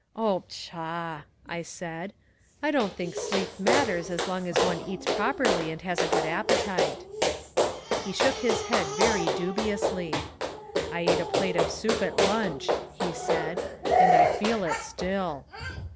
"Oh, pshaw," I said; "I don't think sleep matters as long as one eats properly and has a good appetite." He shook his head very dubiously. "I ate a plate of soup at lunch," he said, "and I feel it still."